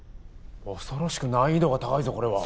恐ろしく難易度が高いぞこれは。